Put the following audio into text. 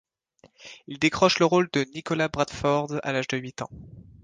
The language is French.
Il décroche le rôle de Nicholas Bradford à l'âge de huit ans.